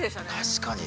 ◆確かに。